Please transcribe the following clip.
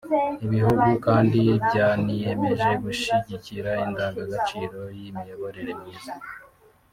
Ibihugu kandi byaniyemeje gushyigikira indangagaciro y’imiyoborere myiza